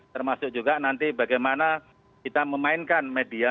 termasuk juga nanti bagaimana kita memainkan media